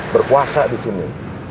berkuasa di sini